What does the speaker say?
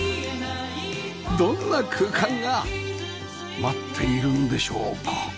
どんな空間が待っているんでしょうか？